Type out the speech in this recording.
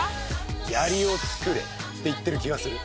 「やりをつくれ」って言ってる気がする。